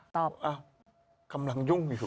ตอบอ้าวกำลังยุ่งอยู่